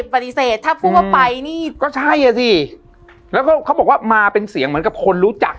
ปฏิเสธถ้าพูดว่าไปนี่ก็ใช่อ่ะสิแล้วก็เขาบอกว่ามาเป็นเสียงเหมือนกับคนรู้จัก